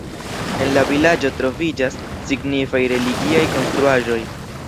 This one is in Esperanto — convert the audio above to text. En la vilaĝo troviĝas signifaj religiaj konstruaĵoj.